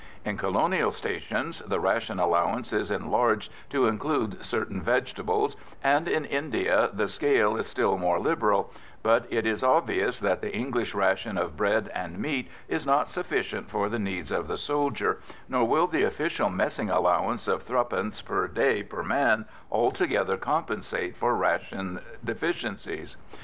In colonial stations the ration allowance is enlarged to include certain vegetables, and in India the scale is still more liberal, but it is obvious that the English ration of bread and meat is not sufficient for the needs of the soldier, nor will the official messing allowance of threepence per day per man altogether compensate for ration deficiencies.